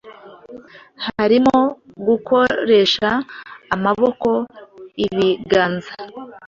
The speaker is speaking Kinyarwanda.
harimo gukoresha amaboko, ibiganza,